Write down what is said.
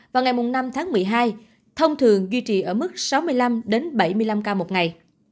vào ngày năm tháng một mươi hai thông thường duy trì ở mức sáu mươi năm bảy mươi năm ca một ngày